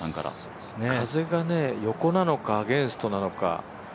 風が横なのか、アゲンストなのか。